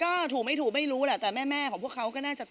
ก็ถูกไม่ถูกไม่รู้แหละแต่แม่ของพวกเขาก็น่าจะ